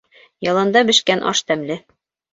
Яланда бешкән аш тәмле.